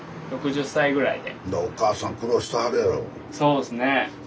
そうですね。